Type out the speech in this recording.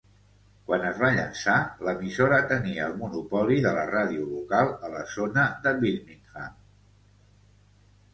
Quan es va llançar, l'emissora tenia el monopoli de la ràdio local a la zona de Birmingham.